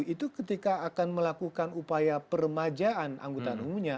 itu ketika akan melakukan upaya peremajaan anggota umumnya